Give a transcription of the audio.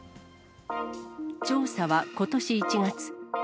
調査はことし１月。